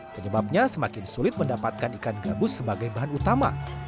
penyebabnya semakin sulit mendapatkan ikan gabus sebagai bahan utama